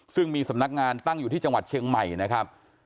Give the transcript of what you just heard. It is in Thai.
ซึ่งมีสำนักงานตั้งอยู่ที่จังหวัดเชียงใหม่นะครับ